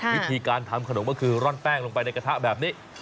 วิธีการทำขนมก็คือร่อนแป้งลงไปในกระทะแบบนี้